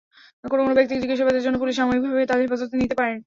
কোনো কোনো ব্যক্তিকে জিজ্ঞাসাবাদের জন্য পুলিশ সাময়িকভাবে তাদের হেফাজতে নিতে পারে।